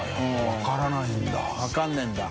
分からないんだ。